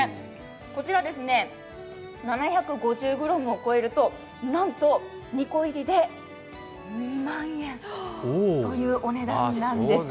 こちら７５０ｇを超えるとなんと２個入りで２万円というお値段なんです。